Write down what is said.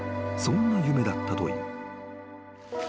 ［そんな夢だったという］